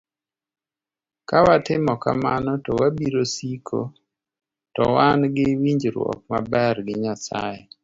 Ka watimo kamano, to wabiro siko ka wan gi winjruok maber gi Nyasaye.